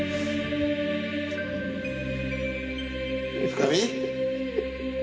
深見。